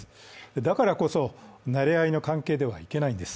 だからこそ、なれ合いの関係ではいけないんです。